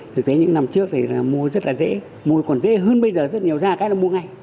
thực tế những năm trước thì là mua rất là dễ mua còn dễ hơn bây giờ rất nhiều ra cái là mua ngay